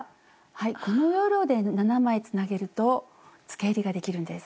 この要領で７枚つなげるとつけえりができるんです。